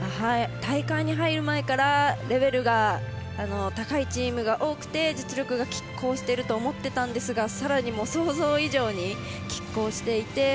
大会に入る前からレベルが高いチームが多くて実力がきっ抗していると思っていたんですがさらに想像以上にきっ抗していて。